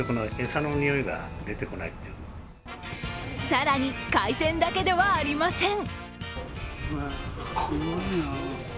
更に海鮮だけではありません。